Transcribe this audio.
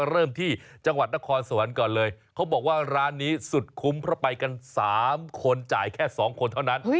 เริ่มที่จังหวัดนครสวรรค์ก่อนเลยเขาบอกว่าร้านนี้สุดคุ้มเพราะไปกัน๓คนจ่ายแค่๒คนเท่านั้น